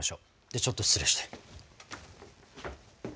ではちょっと失礼して。